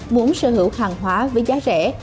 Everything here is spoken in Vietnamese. muốn sở hữu hàng hóa với giá rẻ